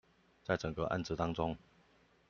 在整個案子當中